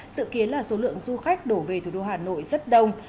sự kiến là số lượng du khách đổ về thủ đô hà nội rất đông